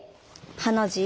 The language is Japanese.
ハの字。